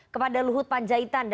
kepada luhut panjaitan